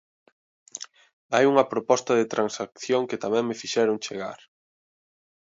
Hai unha proposta de transacción que tamén me fixeron chegar.